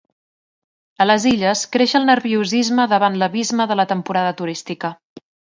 A les Illes, creix el nerviosisme davant l’abisme de la temporada turística.